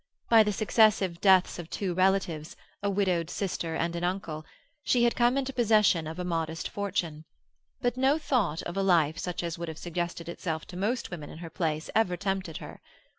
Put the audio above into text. By the successive deaths of two relatives, a widowed sister and an uncle, she had come into possession of a modest fortune; but no thought of a life such as would have suggested itself to most women in her place ever tempted her.